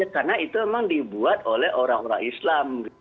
karena itu memang dibuat oleh orang orang islam